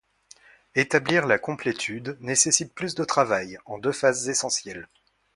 Établir la complétude nécessite plus de travail, en deux phases essentielles.